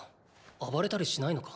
暴れたりしないのか？